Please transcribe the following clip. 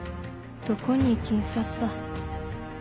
どこに行きんさった。